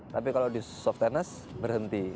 tapi kalau di soft tennis berhenti